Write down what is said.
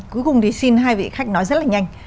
cuối cùng thì xin hai vị khách nói rất là nhanh